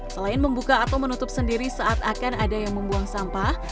selain membuka atau menutup sendiri saat akan ada yang membuang sampah